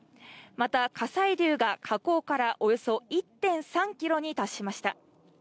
また火砕流が火口からおよそ１．３キロに達しました。